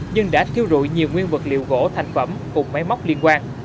nhưng đã thiêu rụi nhiều nguyên vật liệu gỗ thành phẩm cùng máy móc liên quan